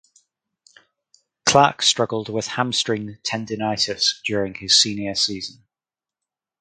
Clark struggled with hamstring tendinitis during his senior season.